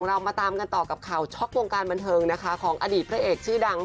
เรามาตามกันต่อกับข่าวช็อกวงการบันเทิงนะคะของอดีตพระเอกชื่อดัง